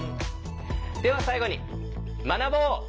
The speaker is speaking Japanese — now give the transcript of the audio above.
では最後に学ぼう！